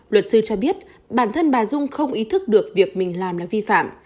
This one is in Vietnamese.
luật sư cho biết bản thân bà dung không ý thức được việc mình làm là vi phạm